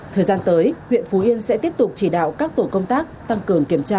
thời gian tới huyện phú yên sẽ tiếp tục chỉ đạo các tổ công tác tăng cường kiểm tra